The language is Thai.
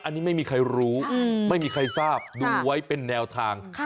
อันนี้ไม่มีใครรู้ไม่มีใครทราบดูไว้เป็นแนวทาง